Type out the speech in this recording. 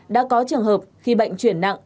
đã có trường hợp khi bệnh chuyển nặng